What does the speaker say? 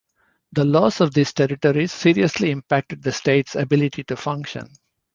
The loss of these territories seriously impacted the state's ability to function.